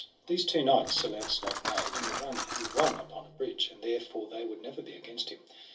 These two knights Sir Launcelot made, and the one he won upon a bridge, and therefore they would never be against him.